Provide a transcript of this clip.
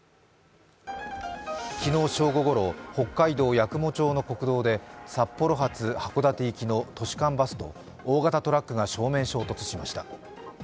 昨日正午ごろ、北海道八雲町の国道５号線で札幌発函館行きの都市間バスと大型トラックが正面衝突しました。